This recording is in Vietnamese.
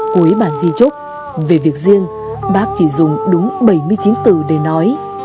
cuối bản di trúc về việc riêng bác chỉ dùng đúng bảy mươi chín từ để nói